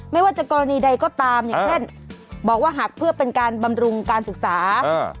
ไม่ว่าจะกรณีใดก็ตามอย่างเช่นบอกว่าหักเพื่อเป็นการบำรุงการศึกษาอ่า